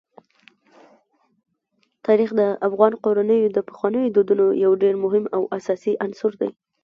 تاریخ د افغان کورنیو د پخوانیو دودونو یو ډېر مهم او اساسي عنصر دی.